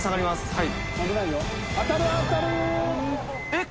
はい。